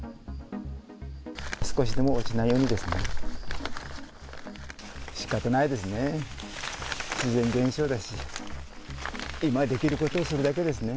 少しでも落ちないようにですね。